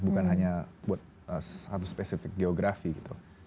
bukan hanya buat satu spesifik geografi gitu